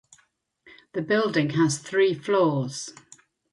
The building has three floors.